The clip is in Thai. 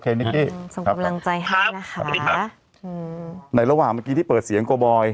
สวัสดีนะครับเออโอเคสำคับกับรังใจให้นะคะหรือเปิดเสียง